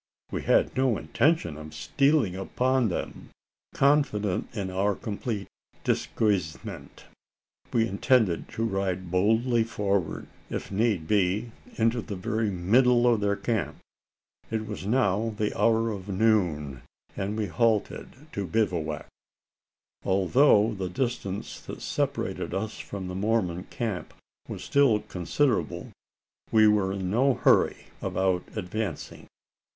We had no intention of stealing upon them. Confident in our complete deguisement, we intended to ride boldly forward if need be, into the very middle of their camp. It was now the hour of noon; and we halted to bivouac. Although the distance that separated us from the Mormon camp was still considerable, we were in no hurry, about advancing.